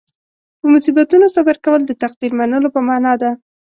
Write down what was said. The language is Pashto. په مصیبتونو صبر کول د تقدیر منلو په معنې ده.